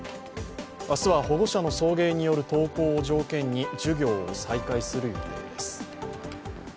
明日は保護者の送迎による登校を条件に授業を再開する予定です。